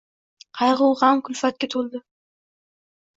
Qayg‘u, g‘am, kulfatga to‘ldi.